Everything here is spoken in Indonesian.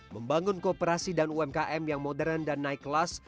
membangun kooperasi dan umkm yang modern dan naik kelas